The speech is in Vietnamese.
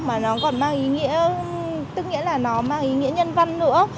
mà nó còn mang ý nghĩa tức nghĩa là nó mang ý nghĩa nhân văn nữa